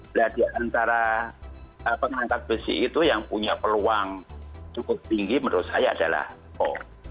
berarti antara pengangkat besi itu yang punya peluang cukup tinggi menurut saya adalah hoax